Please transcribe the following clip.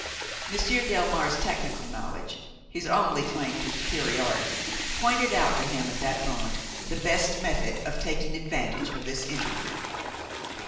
Monsieur Delmare's technical knowledge, his only claim to superiority, pointed out to him at that moment the best method of taking advantage of this interview.